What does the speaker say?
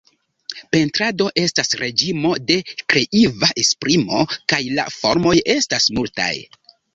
Pentrado estas reĝimo de kreiva esprimo, kaj la formoj estas multaj.